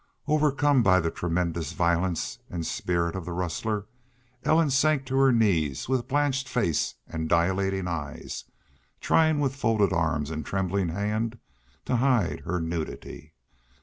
Overcome by the tremendous violence and spirit of the rustler, Ellen sank to her knees, with blanched face and dilating eyes, trying with folded arms and trembling hand to hide her nudity.